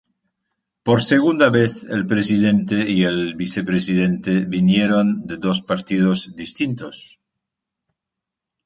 Por segunda vez, el Presidente y el Vicepresidente vinieron de dos partidos distintos.